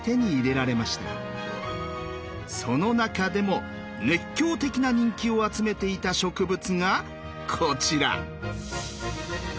その中でも熱狂的な人気を集めていた植物がこちら！